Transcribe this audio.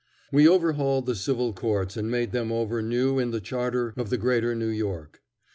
We overhauled the civil courts and made them over new in the charter of the Greater New York.